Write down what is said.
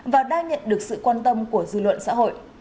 và đang nhận được sự quan tâm của dư luận xã hội